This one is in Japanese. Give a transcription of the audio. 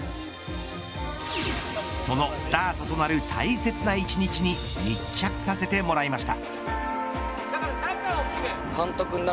そのスタートとなる大切な１日に密着させてもらいました。